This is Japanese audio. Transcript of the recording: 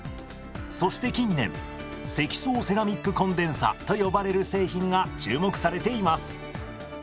そして近年積層セラミックコンデンサと呼ばれる製品が注目されています。